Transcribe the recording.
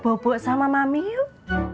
bobok sama mami yuk